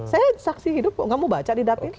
saya saksi hidup kok nggak mau baca di dapur